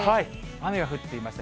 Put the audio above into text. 雨が降っていました。